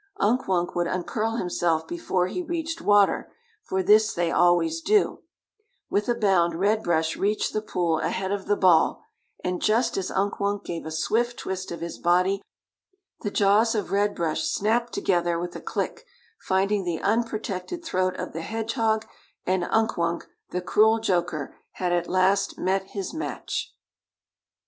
Unk Wunk would uncurl himself before he reached water, for this they always do; with a bound Red Brush reached the pool ahead of the ball, and just as Unk Wunk gave a swift twist of his body to uncurl, the jaws of Red Brush snapped together with a click, finding the unprotected throat of the hedgehog, and Unk Wunk, the cruel joker, had at last met his match.